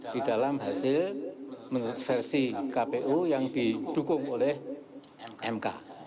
di dalam hasil menurut versi kpu yang didukung oleh mk